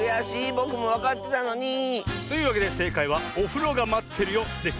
ぼくもわかってたのに！というわけでせいかいは「おふろがまってるよ」でした。